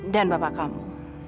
dan bapak kamu